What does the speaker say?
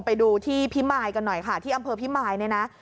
ไปดูที่พิมายกันหน่อยค่ะที่อำเภอพิมายเนี่ยนะ